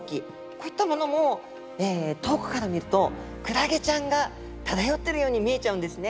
こういったものも遠くから見るとクラゲちゃんが漂ってるように見えちゃうんですね。